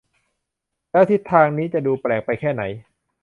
แล้วทิศทางนี้จะดูแปลกไปแค่ไหน